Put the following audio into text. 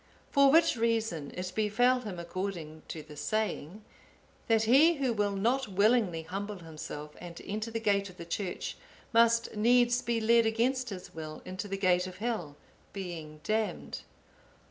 For which reason it befell him according to the saying, that he who will not willingly humble himself and enter the gate of the church must needs be led against his will into the gate of Hell, being damned.